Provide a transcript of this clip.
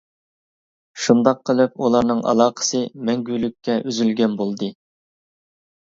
شۇنداق قىلىپ ئۇلارنىڭ ئالاقىسى مەڭگۈلۈككە ئۈزۈلگەن بولدى.